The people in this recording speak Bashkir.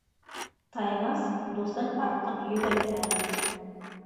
Таймаҫ дуҫын артыҡ йөҙәтмәне.